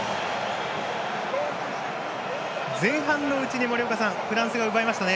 前半のうちにフランスが奪いましたね。